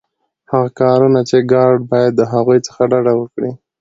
هغه کارونه چي ګارډ باید د هغوی څخه ډډه وکړي.